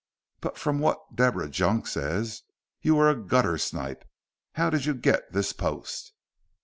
But from what Deborah Junk says you were a guttersnipe. How did you get this post?"